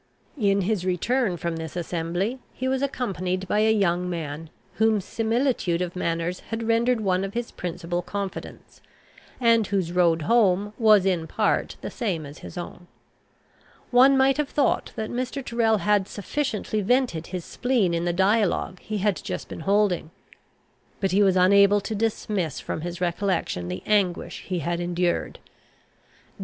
In his return from this assembly he was accompanied by a young man, whom similitude of manners had rendered one of his principal confidents, and whose road home was in part the same as his own. One might have thought that Mr. Tyrrel had sufficiently vented his spleen in the dialogue he had just been holding. But he was unable to dismiss from his recollection the anguish he had endured.